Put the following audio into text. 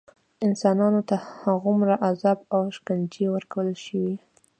انسانانو ته هغومره عذاب او شکنجې ورکړل شوې.